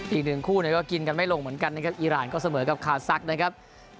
อีกหนึ่งคู่เนี่ยก็กินกันไม่ลงเหมือนกันนะครับอีรานก็เสมอกับคาซักนะครับ